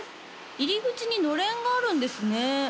入り口にのれんがあるんですね？